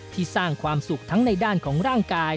สร้างความสุขทั้งในด้านของร่างกาย